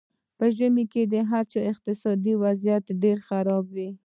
په ژمي کې د هر چا اقتصادي وضیعت ډېر خراب وي.